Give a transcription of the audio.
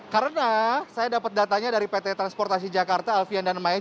karena saya dapat datanya dari pt transportasi jakarta alvian dan maya